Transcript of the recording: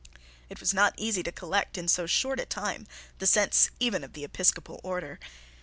It was not easy to collect in so short a time the sense even of the episcopal order.